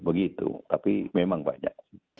begitu tapi memang banyak